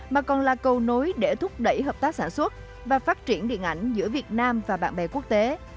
mà còn là cầu nối để thúc đẩy hợp tác sản xuất và phát triển điện ảnh giữa việt nam và bạn bè quốc tế